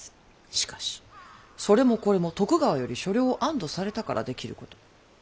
しかしそれもこれも徳川より所領を安堵されたからできること。